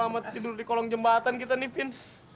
alamat tidur di kolong jembatan kita nih vin